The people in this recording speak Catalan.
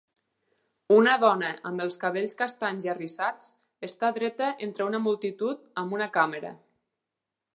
Una dona amb els cabells castanys i arrissats està dreta entre una multitud amb una càmera.